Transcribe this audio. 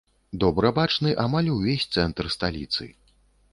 Добра бачны амаль увесь цэнтр сталіцы.